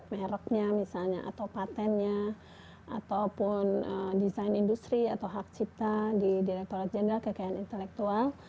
mereknya misalnya atau patentnya ataupun desain industri atau hak cipta di direkturat jenderal kekayaan intelektual